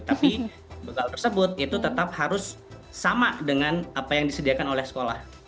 tapi bekal tersebut itu tetap harus sama dengan apa yang disediakan oleh sekolah